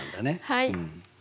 はい。